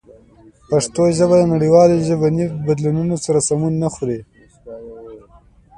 پښتو ژبه د نړیوالو ژبني بدلونونو سره سمون نه خوري.